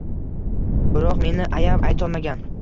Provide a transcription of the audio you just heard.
Biroq meni ayab aytolmagan